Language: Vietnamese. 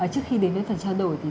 trước khi đến với phần trao đổi